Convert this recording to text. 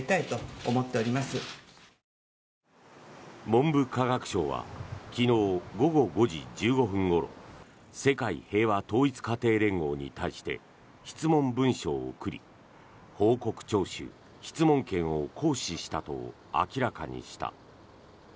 文部科学省は昨日午後５時１５分ごろ世界平和統一家庭連合に対して質問文書を送り報告徴収・質問権を行使したと明らかにした。